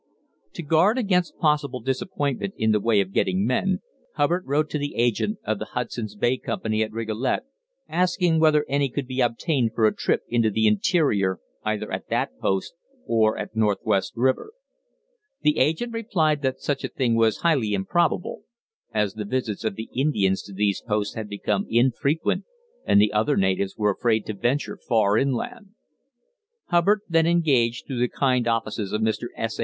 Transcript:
To guard against possible disappointment in the way of getting men, Hubbard wrote to the agent of the Hudson's Bay Company at Rigolet, asking whether any could be obtained for a trip into the interior either at that post or at Northwest River. The agent replied that such a thing was highly improbable, as the visits of the Indians to these posts had become infrequent and the other natives were afraid to venture far inland. Hubbard then engaged through the kind offices of Mr. S. A.